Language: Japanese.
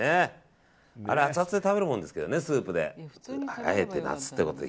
あれアツアツで食べるもんですけどね、スープで。